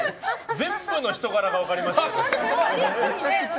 全部の人柄が分かりましたよ。